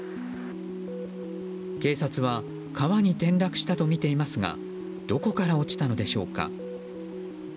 警察は川に転落したとみていますがどこから落ちたのでしょうか。